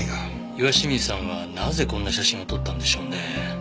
岩清水さんはなぜこんな写真を撮ったんでしょうね？